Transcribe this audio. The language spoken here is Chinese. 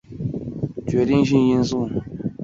化学动力学往往是化工生产过程中的决定性因素。